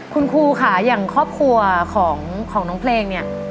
คุณครูค่ะอย่างครอบครัวของน้องเพลงเนี่ย